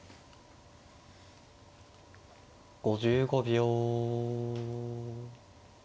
５５秒。